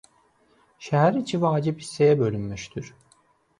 Şəhər iki vacib hissəyə bölünmüşdür.